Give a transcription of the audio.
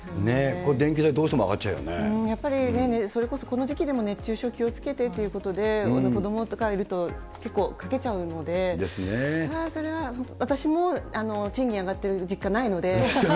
これ電気代、どうしても上がやっぱり、それこそこの時期でも、熱中症気をつけてということで、子どもとかいると、結構かけちゃうので、それは私も賃金上がってる実感ないので。